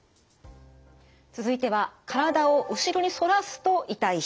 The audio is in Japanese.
続いては体を後ろに反らすと痛い人。